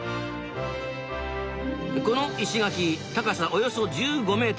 この石垣高さおよそ１５ｍ。